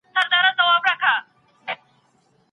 خو کشکي چي ښيګڼي بې مطلبه وای .